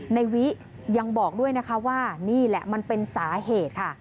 ในวิยังบอกด้วยนะคะว่านี่แหละมันเป็นสาเหตุค่ะ